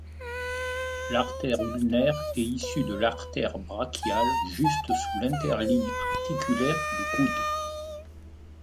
L'artère ulnaire est issue de l'artère brachiale juste sous l'interligne articulaire du coude.